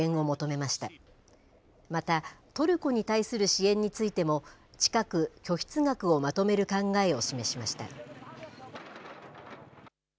また、トルコに対する支援についても、近く拠出額をまとめる考えを示しました。